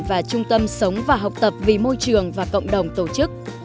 và trung tâm sống và học tập vì môi trường và cộng đồng tổ chức